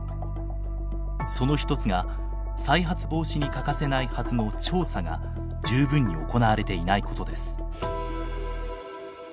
その一つが再発防止に欠かせないはずの調査が十分に行われていないことです。